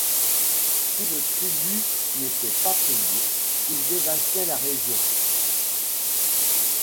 Si le tribut n'était pas payé, il dévastait la région.